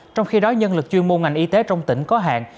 trong khi đó nhân lực chuyên môn ngành y tế trong tỉnh có hạn